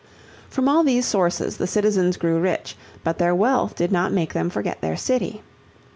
From all these sources the citizens grew rich, but their wealth did not make them forget their city.